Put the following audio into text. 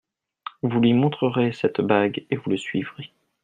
Vous lui montrerez cette bague et vous le suivrez.